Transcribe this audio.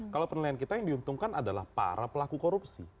kalau penilaian kita yang diuntungkan adalah para pelaku korupsi